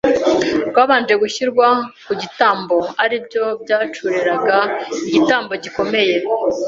rwabanje gushyirwa ku gitambo ari byo byacureraga igitambo gikomeye